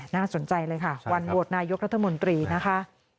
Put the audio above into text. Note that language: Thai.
น่าสนใจเลยค่ะวันโหวตนายกรัฐมนตรีนะคะ